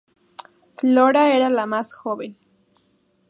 Flora era la más joven.